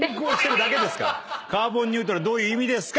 カーボンニュートラルどういう意味ですか？